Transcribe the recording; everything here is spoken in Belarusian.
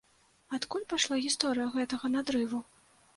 Адкуль пайшла гісторыя гэтага надрыву?